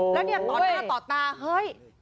แล้วต่อตาเฮ้ย